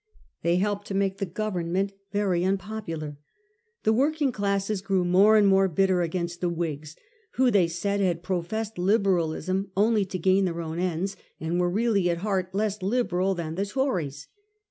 They helped to make the Government very unpopular. The working classes grew more and more hitter against the Whigs, who they said had professed Liberalism only to gain their own ends, and were really at heart less Liberal than the Tories.